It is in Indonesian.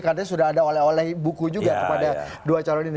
karena sudah ada oleh oleh buku juga kepada dua calon ini